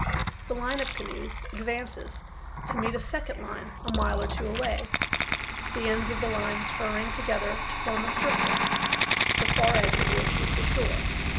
The line of canoes advances to meet a second line a mile or two away, the ends of the lines hurrying together to form a circle, the far edge of which is the shore.